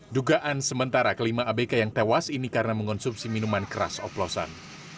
dugaan sementara kelima abk yang tewas ini karena mengonsumsi minuman keras oplosan